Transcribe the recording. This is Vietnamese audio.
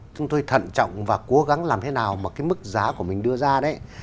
chúng tôi thận trọng và cố gắng làm thế nào mà cái mức giá của mình đưa ra đấy